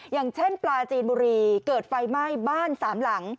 อย่างเช่นปลาจีนบุรีเกิดไฟไหม้บ้านสามหลัง